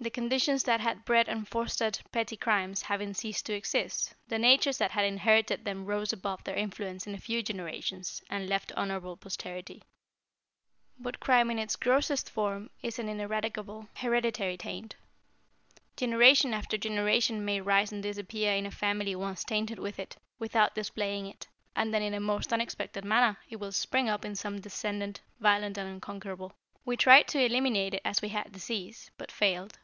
The conditions that had bred and fostered petty crimes having ceased to exist, the natures that had inherited them rose above their influence in a few generations, and left honorable posterity. "But crime in its grossest form is an ineradicable hereditary taint. Generation after generation may rise and disappear in a family once tainted with it, without displaying it, and then in a most unexpected manner it will spring up in some descendant, violent and unconquerable. "We tried to eliminate it as we had disease, but failed.